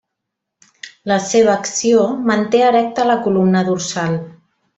La seva acció manté erecta la columna dorsal.